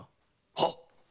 はっ。